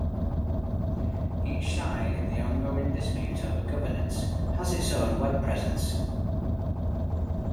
Each side in the ongoing dispute over governance has its own web presence.